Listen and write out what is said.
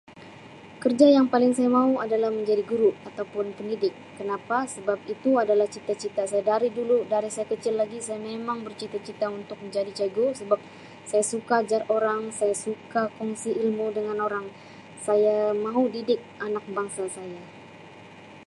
Kerja yang paling saya mau adalah menjadi guru atau pun pendidik kenapa sebab itu adalah cita-cita saya dari dulu dari saya kecil lagi saya memang bercita-cita untuk menjadi cikgu sebab saya suka ajar orang, saya suka kongsi ilmu dengan orang saya mahu didik anak bangsa saya.